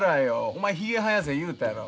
お前ひげ生やせ言うたやろ。